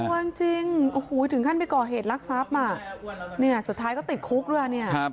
โอ้โฮจริงถึงขั้นไปก่อเหตุลักษณ์ทรัพย์สุดท้ายก็ติดคุกแล้ว